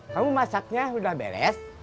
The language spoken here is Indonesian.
kamu masaknya udah beres